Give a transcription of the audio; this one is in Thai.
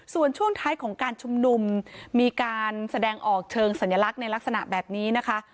ส่วนช่วงท้ายของการชุมนุมมีการแสดงออกเชิงสัญลักษณ์ในลักษณะแบบนี้นะคะ